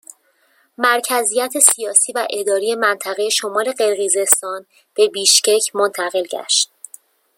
مرکزیت سیاسی و اداری منطقه شمال قرقیزستان به بیشکک منتقل گشت